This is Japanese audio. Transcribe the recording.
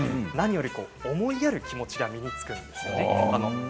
何より思いやる気持ちが身につくんですよね。